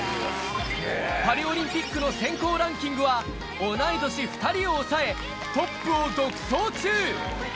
パリオリンピックの選考ランキングは、同い年２人を抑え、トップを独走中。